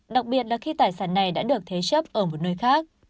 đặc biệt là khi tài sản này đã được thế chấp ở một nơi khác